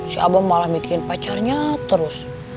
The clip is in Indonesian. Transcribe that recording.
si abang malah bikin pacarnya terus